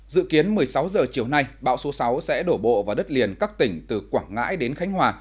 dự kiến một mươi sáu h chiều nay bão số sáu sẽ đổ bộ vào đất liền các tỉnh từ quảng ngãi đến khánh hòa